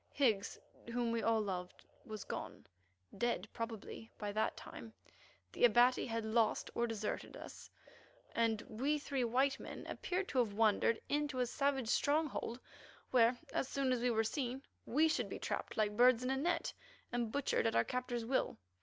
Higgs, whom we all loved, was gone, dead, probably, by that time; the Abati had lost or deserted us, and we three white men appeared to have wandered into a savage stronghold, where, as soon as we were seen, we should be trapped like birds in a net, and butchered at our captor's will.